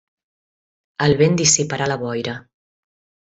El vent dissiparà la boira.